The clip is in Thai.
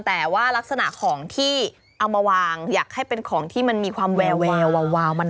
แต่ว่ารักษณะของที่เอามาวางอยากให้เป็นของที่มันมีความแวววาว